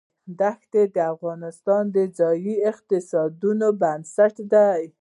دښتې د افغانستان د ځایي اقتصادونو بنسټ دی.